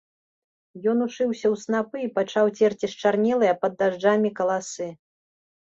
Ён ушыўся ў снапы і пачаў церці счарнелыя пад дажджамі каласы.